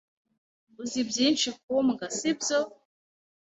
Uzi byinshi ku mbwa, sibyo?